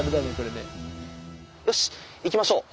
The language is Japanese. よしいきましょう。